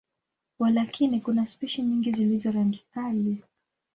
Walakini, kuna spishi nyingi zilizo rangi kali.